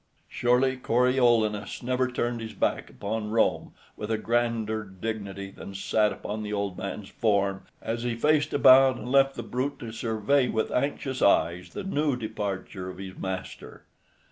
Surely Coriolanus never turned his back upon Rome with a grander dignity than sat upon the old man's form as he faced about and left the brute to survey with anxious eyes the new departure of his master.